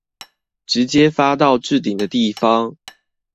直接發到置頂的地方